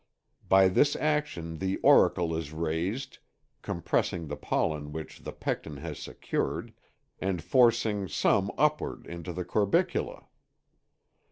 By this action the auricle is raised, compressing the pollen which the pecten has secured, and forcing some upward into the corbicula.